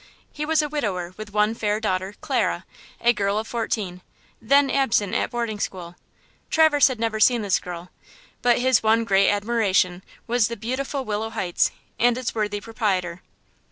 He was a widower with one fair daughter, Clara, a girl of fourteen, then absent at boarding school. Traverse had never seen this girl, but his one great admiration was the beautiful Willow Heights and its worthy proprietor.